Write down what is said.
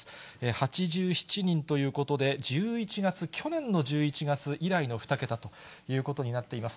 ８７人ということで、１１月、去年の１１月以来の２桁ということになっています。